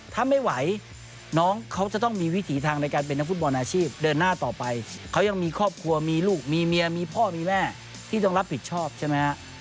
ถ้าไม่ไหวน้องเขาจะต้องมีวิถีทางในการเป็นนักฟุตบอลอาชีพเดินหน้าต่อไปเขายังมีครอบครัวมีลูกมีเมียมีพ่อมีแม่ที่ต้องรับผิดชอบใช่ไหมฮะ